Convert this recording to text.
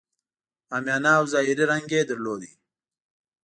عامیانه او ظاهري رنګ یې درلود.